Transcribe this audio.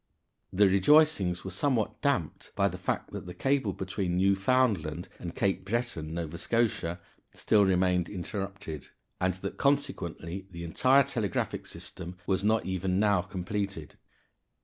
The rejoicings were somewhat damped by the fact that the cable between Newfoundland and Cape Breton (Nova Scotia) still remained interrupted, and that consequently the entire telegraphic system was not even now completed.